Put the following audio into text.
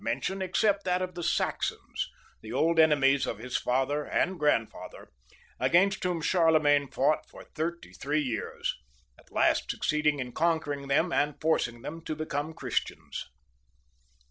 mention, except that of the Saxons, the old enemies of his father and grandfather, against whom Charlemagne fought for thirty three years, and at last succeeded in conquering them and forcing them to become Christians.